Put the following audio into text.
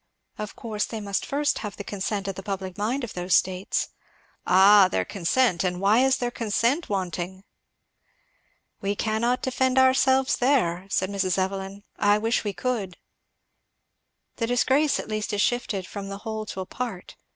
"Of course they must first have the consent of the public mind of those states." "Ah! their consent! and why is their consent wanting?" "We cannot defend ourselves there," said Mrs. Evelyn; "I wish we could." "The disgrace at least is shifted from the whole to a part.